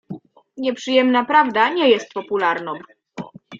"Nieprzyjemna prawda nie jest popularną."